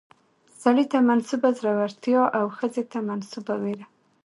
سړي ته منسوبه زړورتيا او ښځې ته منسوبه ويره